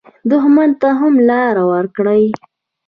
دښمن ته هم لار ورکړئ